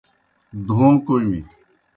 دھوں کوْمیْ۔